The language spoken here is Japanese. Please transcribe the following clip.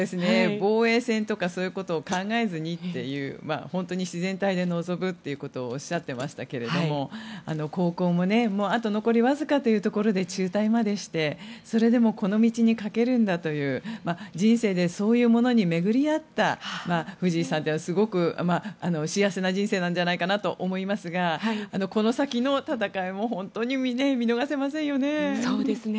防衛戦とかそういうことを考えずにという本当に自然体で臨むということをおっしゃっていましたが高校もあと残りわずかというところで中退までして、それでもこの道にかけるんだという人生でそういうものに巡り合った藤井さんというのはすごく幸せな人生なんじゃないかなと思いますがこの先の戦いも本当に見逃せませんよね。